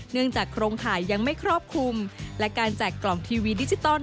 จากโครงข่ายยังไม่ครอบคลุมและการแจกกล่องทีวีดิจิตอล